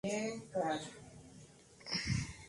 Y requiere suministro regular de agua en verano.